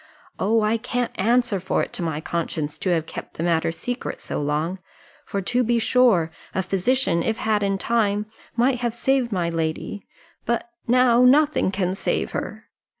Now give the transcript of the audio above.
Oh, I can't answer for it to my conscience, to have kept the matter secret so long; for to be sure a physician, if had in time, might have saved my lady but now nothing can save her!"